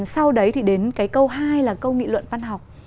sau đấy thì đến cái câu hai là câu nghị luận văn học